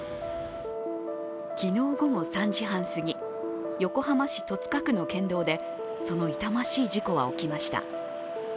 昨日、午後３時半過ぎ、横浜市戸塚区の県道で、その痛ましい事故は起きました。